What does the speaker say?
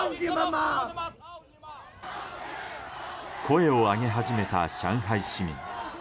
声を上げ始めた上海市民。